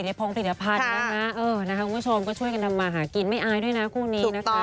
ผลิตในพลงติดละพันธุ์แล้วนะเออนะคะคุณผู้ชมก็ช่วยกันทำมาหากินไม่อายด้วยนะครูนี้นะคะ